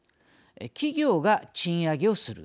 企業が賃上げをする。